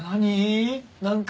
何？